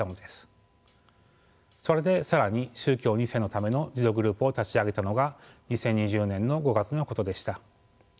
それで更に宗教２世のための自助グループを立ち上げたのが２０２０年の５月のことでした。